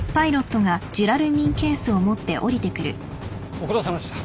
・・ご苦労さまでした。